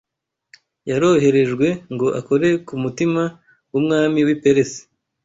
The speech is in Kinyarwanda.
yaroherejwe ngo akore ku mutima w’umwami w’i Peresi